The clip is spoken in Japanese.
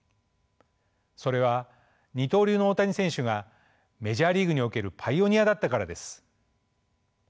それは二刀流の大谷選手がメジャーリーグにおけるパイオニアだったからです。